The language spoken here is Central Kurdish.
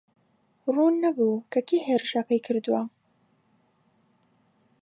ڕوون نەبوو کە کێ هێرشەکەی کردووە.